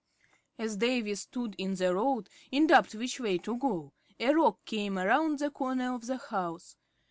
As Davy stood in the road, in doubt which way to go, a Roc came around the corner of the house.